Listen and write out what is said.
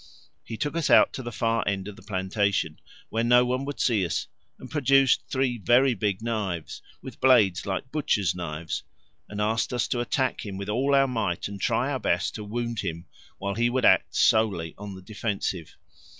He took us out to the far end of the plantation, where no one would see us, and produced three very big knives, with blades like butchers' knives, and asked us to attack him with all our might and try our best to wound him, while he would act solely on the defensive.